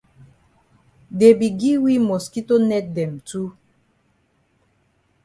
Dey be gi we mosquito net dem too.